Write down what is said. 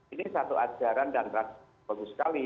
ini satu ajaran dan rasa bagus sekali